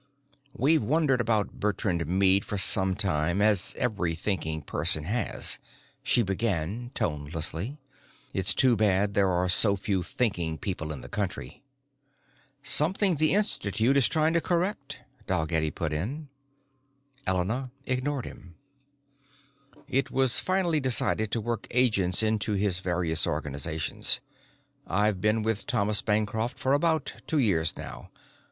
"We've wondered about Bertrand Meade for some time, as every thinking person has," she began tonelessly. "It's too bad there are so few thinking people in the country." "Something the Institute is trying to correct," Dalgetty put in. Elena ignored him. "It was finally decided to work agents into his various organizations. I've been with Thomas Bancroft for about two years now.